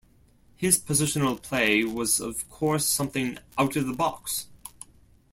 His positional play was of course something out of the box.